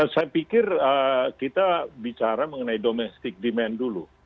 saya pikir kita bicara mengenai domestic demand dulu